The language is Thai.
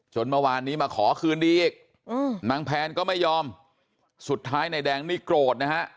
เมื่อวานนี้มาขอคืนดีอีกนางแพนก็ไม่ยอมสุดท้ายนายแดงนี่โกรธนะฮะ